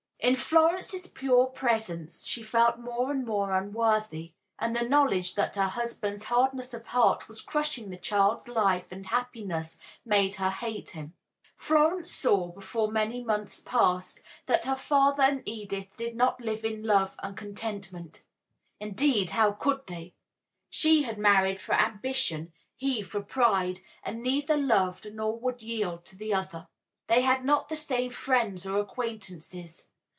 In Florence's pure presence she felt more and more unworthy, and the knowledge that her husband's hardness of heart was crushing the child's life and happiness made her hate him. Florence saw, before many months passed, that her father and Edith did not live in love and contentment. Indeed, how could they? She had married for ambition, he for pride, and neither loved nor would yield to the other. They had not the same friends or acquaintances.